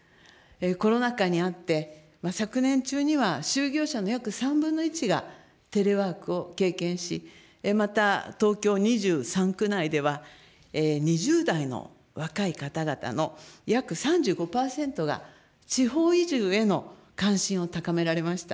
コロナ禍にあって、昨年中には就業者の約３分の１がテレワークを経験し、また東京２３区内では、２０代の若い方々の約３５％が地方移住への関心を高められました。